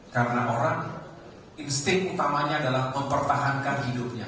karena orang insting utamanya adalah mempertahankan hidupnya